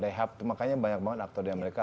they have to makanya banyak banget aktor di amerika